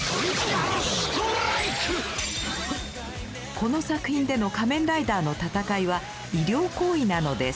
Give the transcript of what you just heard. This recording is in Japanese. この作品での仮面ライダーの戦いは医療行為なのです。